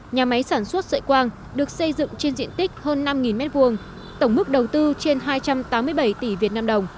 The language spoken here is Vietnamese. nhà máy sản xuất sợi quang được xây dựng trên diện tích hơn năm m hai tổng mức đầu tư trên hai trăm tám mươi bảy tỷ vnđ